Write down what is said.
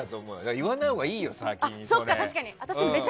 言わないほうがいいよ。